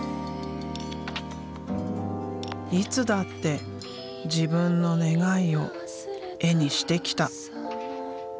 いつだって自分の願いを絵にしてきた。